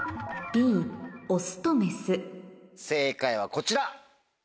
正解はこちら。